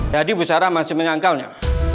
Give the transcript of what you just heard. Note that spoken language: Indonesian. jadi bu sarah masih mengangkalnya